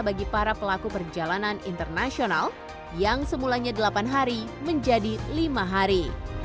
bagi para pelaku perjalanan internasional yang semulanya delapan hari menjadi lima hari